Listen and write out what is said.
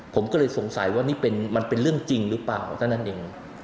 ผมก็เลยสงสัยว่านี่มันเป็นเรื่องจริงหรือเปล่าเท่านั้นเอง